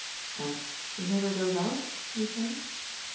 "And she never goes out you say?"